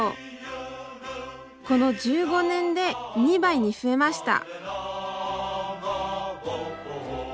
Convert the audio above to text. この１５年で２倍に増えました